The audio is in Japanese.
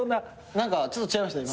何かちょっとちゃいましたね